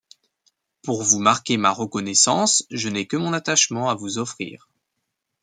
Pour vous marquer ma reconnaissance, je n’ai que mon attachement à vous offrir.